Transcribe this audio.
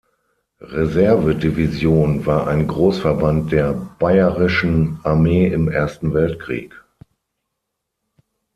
Reserve-Division war ein Großverband der Bayerischen Armee im Ersten Weltkrieg.